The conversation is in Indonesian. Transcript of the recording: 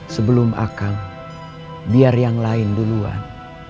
sebelum akang biar yang lain duluan